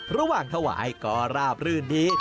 ระหว่างถวายก็ราบรื่นดี